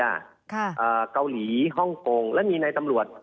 อ่าเกาหลีฮ่องกงและมีในตำรวจ